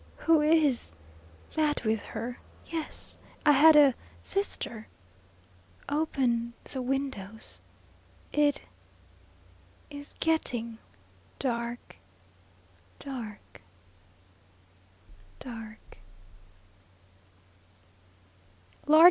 Who is that with her? Yes, I had a sister. Open the windows. It is getting dark dark dark.'